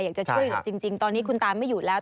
อยากจะช่วยเหลือจริงตอนนี้คุณตาไม่อยู่แล้ว